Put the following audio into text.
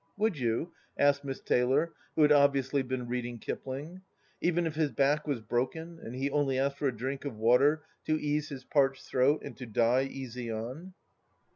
"Would you," asked Miss Taylor, who had obviously been reading Kipling, " even if his back was broken, and he only asked for a drink of water to ease his parched throat and to die easy on